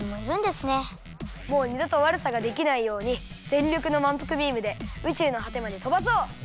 もう２どとわるさができないようにぜんりょくのまんぷくビームで宇宙のはてまでとばそう！